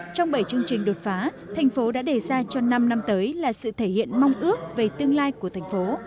trong bảy chương trình đột phá thành phố đã đề ra cho năm năm tới là sự thể hiện mong ước về tương lai của thành phố